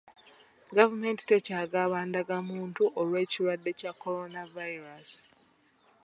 Gavumenti tekyagaba ndagamuntu olw'ekirwadde kya Corona virus